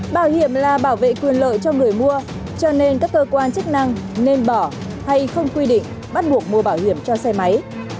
bảo hiểm là bảo vệ quyền lợi cho người mua cho nên các cơ quan chức năng nên bỏ hay không quy định bắt buộc mua bảo hiểm cho xe máy